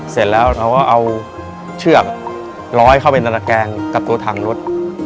เสร็จแล้วเราก็เอาเชือกร้อยเข้าไปในระแกงกับตัวถังรถ